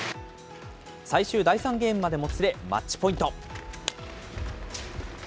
最終第３ゲームまでもつれ、マッチポイント。